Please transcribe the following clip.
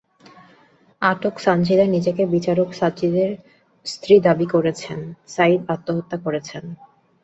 আটক সানজিদা নিজেকে বিচারক সাঈদের স্ত্রী দাবি করে বলেছেন, সাঈদ আত্মহত্যা করেছেন।